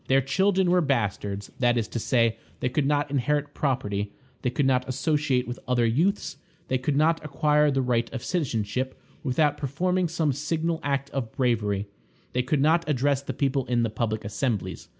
Their children were bastards; that is to say, they could not inherit property, they could not associate with other youths, they could not acquire the right of citizenship without performing some signal act of bravery, they could not address the people in the public assemblies.